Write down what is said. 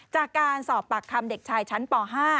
จากการสอบปากคำเด็กชายชั้นป๕